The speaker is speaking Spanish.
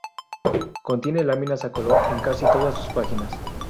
Contiene láminas a color en casi todas sus páginas.